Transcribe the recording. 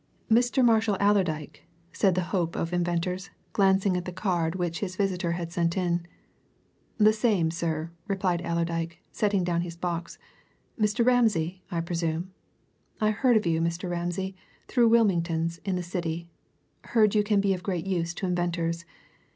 "Mr. Marshall Allerdyke," said the hope of inventors, glancing at the card which his visitor had sent in. "The same, sir," replied Allerdyke, setting down his box. "Mr. Ramsay, I presume? I heard of you, Mr. Ramsay, through Wilmingtons, in the City; heard you can be of great use to inventors.